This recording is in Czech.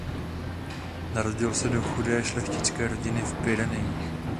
Narodil se do chudé šlechtické rodiny v Pyrenejích.